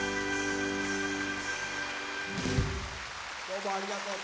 どうもありがとう！